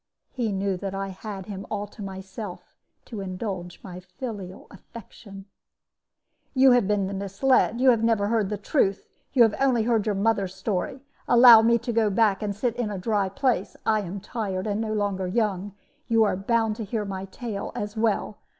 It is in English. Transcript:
He knew that I had him all to myself, to indulge my filial affection. "'You have been misled; you have never heard the truth; you have only heard your mother's story. Allow me to go back and to sit in a dry place; I am tired, and no longer young; you are bound to hear my tale as well.